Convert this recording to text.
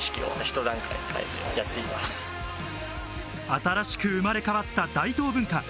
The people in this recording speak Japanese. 新しく生まれ変わった大東文化。